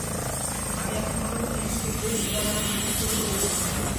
আমি এখন মোটামুটি নিশ্চিত যে, মিয়া নামের মেয়েটি পুরোপুরি উন্মাদ।